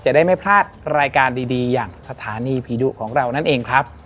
ได้ไม่พลาดรายการดีอย่างสถานีผีดุของเรานั่นเองครับ